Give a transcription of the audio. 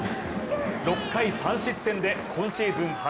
６回３失点で今シーズン